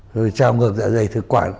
rồi trào ngược dạ dày thực quả